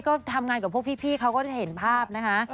ก็ทำงานกับพวกพี่เขาก็จะเห็นภาพนะคะ